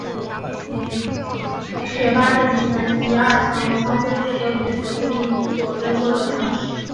雪巴的底层及二层为仓库负责存储附近所征收的粮食。